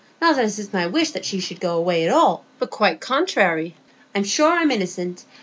Not as it's my wish she should go away at all, but quite contrairy. I'm sure I'm innocent.